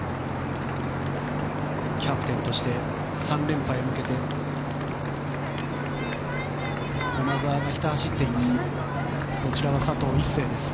キャプテンとして３連覇へ向けて駒澤がひた走っています。